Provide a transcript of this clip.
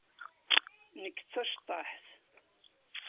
Nekk d taceṭṭaḥt.